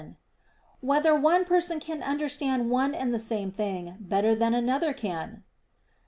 7] Whether One Person Can Understand One and the Same Thing Better Than Another Can?